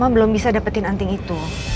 belum bisa dapetin anting itu